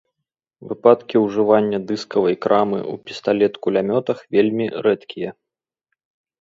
Выпадкі ўжывання дыскавай крамы ў пісталет-кулямётах вельмі рэдкія.